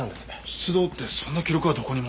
出動ってそんな記録はどこにも。